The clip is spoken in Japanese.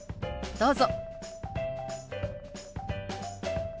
どうぞ。